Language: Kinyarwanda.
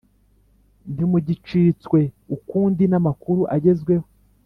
Ntimugicitswe ukundi namakuru agezweho